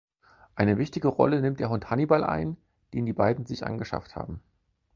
Eine wichtige Rolle nimmt der Hund Hannibal ein, den die beiden sich angeschafft haben.